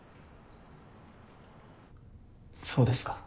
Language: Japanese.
そうですか。